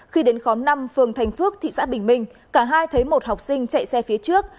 khi đến khóm năm phường thành phước thị xã bình minh cả hai thấy một học sinh chạy xe phía trước